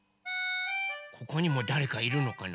ここにもだれかいるのかな？